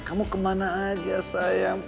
kau lari segundo